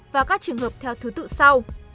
và các trường hợp theo thứ tự sau